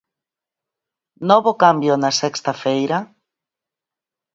Novo cambio na sexta feira?